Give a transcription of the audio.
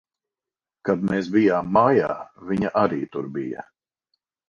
Kad mēs bijām mājā, viņa arī tur bija.